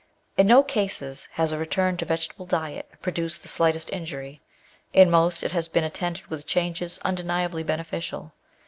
In no cases has a return to vegetable diet produced the slightest injury : in most it has been attended with changes undeniably beneficial.